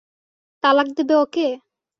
তালাক দেবে ওকে?